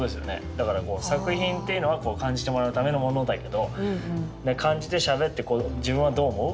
だからこう作品っていうのはこう感じてもらうためのものだけど感じてしゃべって「自分はどう思う？」